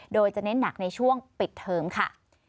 โดยจะเน้นหนักในช่วงปิดเทิมค่ะ